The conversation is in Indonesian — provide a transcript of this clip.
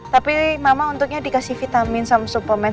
tapi mama untuknya dikasih vitamin sama superman